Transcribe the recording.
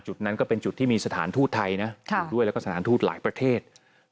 จุดนั้นก็เป็นจุดที่มีสถานทูตไทยและสถานทูตหลายประเทศ